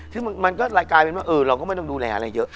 ซึ่งมันก็เลยกลายเป็นว่าเราก็ไม่ต้องดูแลอะไรเยอะ